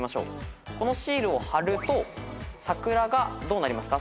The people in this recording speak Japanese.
このシールをはると桜がどうなりますか？